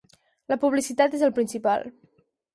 La publicitat és el principal.